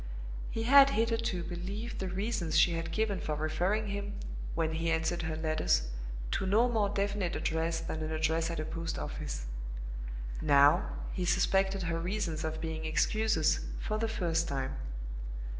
He had hitherto believed the reasons she had given for referring him, when he answered her letters, to no more definite address than an address at a post office. Now he suspected her reasons of being excuses, for the first time.